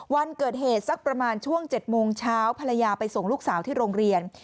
วันเกิดเหตุสักประมาณช่วง๗โมงเช้าภรรยาไปส่งลูกสาวที่โรงเรียน